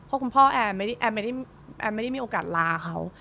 เพราะคุณพ่อแอมไม่ได้มีโอกาสลาเขา